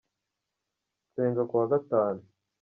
nsenga kuwa gatanu